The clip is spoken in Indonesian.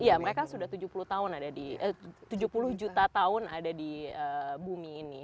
iya mereka sudah tujuh puluh tahun ada di tujuh puluh juta tahun ada di bumi ini